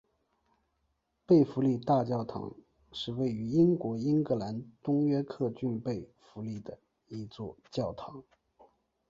贝弗利大教堂是位于英国英格兰东约克郡贝弗利的一座教堂。